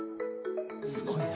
すごいな。